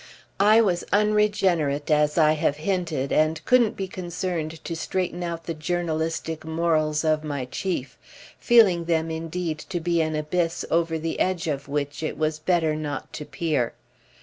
I was unregenerate, as I have hinted, and couldn't be concerned to straighten out the journalistic morals of my chief, feeling them indeed to be an abyss over the edge of which it was better not to peer.